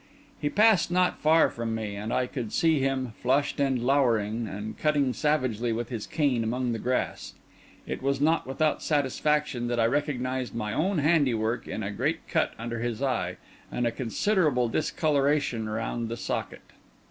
He passed not far from me, and I could see him, flushed and lowering, and cutting savagely with his cane among the grass. It was not without satisfaction that I recognised my own handiwork in a great cut under his right eye, and a considerable discolouration round the socket.